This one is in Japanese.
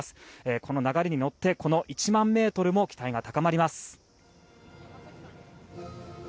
この流れに乗ってこの１００００ｍも期待が高まります。